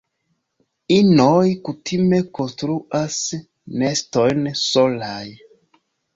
Inoj kutime konstruas nestojn solaj.